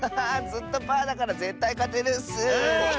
ずっとパーだからぜったいかてるッス！